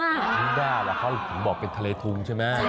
มีหน้าแล้วเขาบอกเป็นทะเลทุ่งใช่ไหม